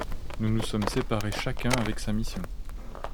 Nous nous sommes séparés chacun avec sa mission.